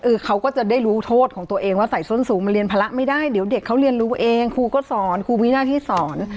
เขาก็จะได้รู้โทษของตัวเองว่าใส่ส้นสูงมันเรียนภาระไม่ได้เดี๋ยวเด็กเขาเรียนรู้เองครูก็สอนครูมีหน้าที่สอน